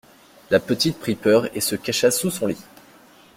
La petite prit peur et se cacha sous son lit.